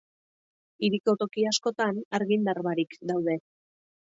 Hiriko toki askotan argindar barik daude.